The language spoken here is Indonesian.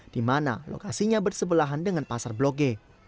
di mana lokasinya bersebelahan dengan pasar blok g